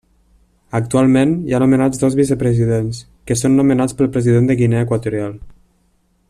Actualment hi ha nomenats dos vicepresidents, que són nomenats pel President de Guinea Equatorial.